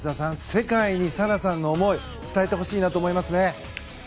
世界にサラさんの思いを伝えてほしいなと思いますね。